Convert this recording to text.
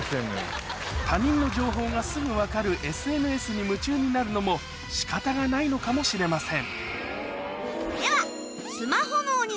他人の情報がすぐ分かるＳＮＳに夢中になるのも仕方がないのかもしれませんでは。